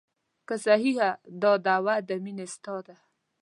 که صحیحه دا دعوه د مینې ستا ده.